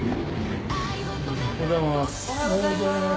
・おはようございます。